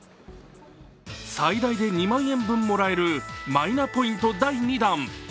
最大で２万円分もらえるマイナポイント第２弾。